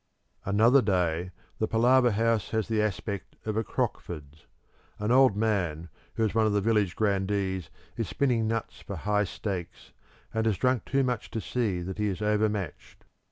Another day the palaver house has the aspect of a Crockford's. An old man who is one of the village grandees is spinning nuts for high stakes, and has drunk too much to see that he is overmatched.